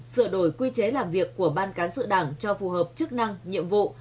sửa đổi quy chế làm việc của ban cán sự đảng cho phù hợp chức năng nhiệm vụ